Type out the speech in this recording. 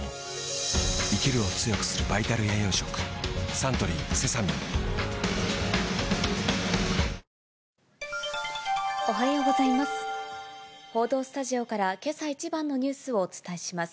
サントリーセサミン報道スタジオからけさ一番のニュースをお伝えします。